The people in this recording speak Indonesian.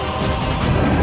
aku akan menang